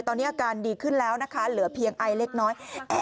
ตอนนี้อาการดีขึ้นแล้วนะคะเหลือเพียงไอเล็กน้อย